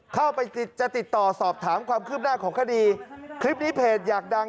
เข้าไปจะติดต่อสอบถามความคืบหน้าของคดีคลิปนี้เพจอยากดัง